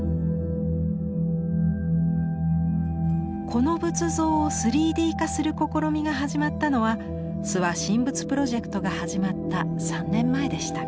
この仏像を３Ｄ化する試みが始まったのは「諏訪神仏プロジェクト」が始まった３年前でした。